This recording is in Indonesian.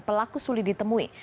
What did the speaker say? pelaku sulit ditemui